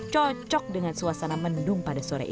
cocok dengan suasana mendung pada sore ini